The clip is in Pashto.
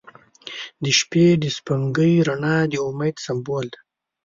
• د شپې د سپوږمۍ رڼا د امید سمبول دی.